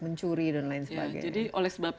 mencuri dan lain sebagainya jadi oleh sebab